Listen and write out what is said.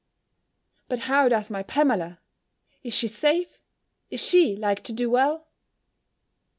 "But how does my Pamela? Is she safe? Is she like to do well?"